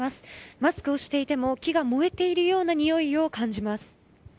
マスクをしていても木が燃えているようなにおいを感じます。